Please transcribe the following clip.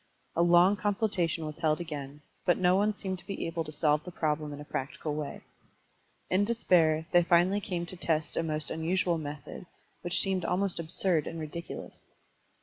A long consultation was held again, but no one seemed to be able to solve the problem in a practical way. In despair they finally came to test a most unusual method, which seemed almost absiu"d and ridiculous.